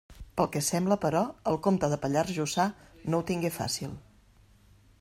Pel que sembla, però, el comte de Pallars Jussà no ho tingué fàcil.